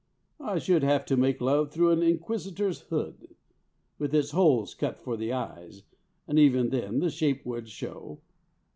I should have to make love through an Inquisitor's hood, with its holes cut for the eyes and even then the shape would show.